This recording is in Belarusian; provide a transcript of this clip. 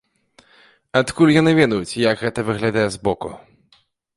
Адкуль яны ведаюць, як гэта выглядае з боку?